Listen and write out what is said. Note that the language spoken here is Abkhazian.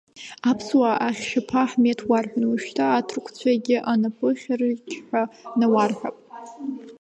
Аԥсуаа Ахьшьаԥа Аҳмеҭ уарҳәон, уажәшьҭа аҭырқәцәагьы анапыхьараџь ҳәа науарҳәап…